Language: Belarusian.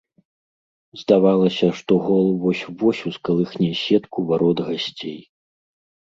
Здавалася, што гол вось-вось ускалыхне сетку варот гасцей.